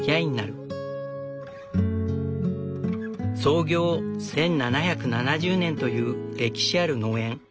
創業１７７０年という歴史ある農園。